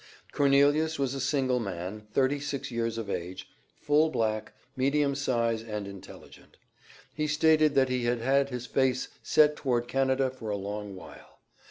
Cornelius was a single man, thirty six years of age, full black, medium size, and intelligent. He stated that he had had his face set toward Canada for a long while.